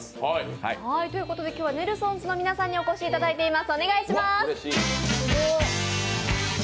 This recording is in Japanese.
ということで今日はネルソンズの皆さんにお越しいただいています。